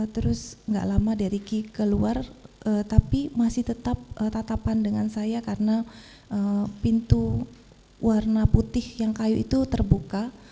terus gak lama dericky keluar tapi masih tetap tatapan dengan saya karena pintu warna putih yang kayu itu terbuka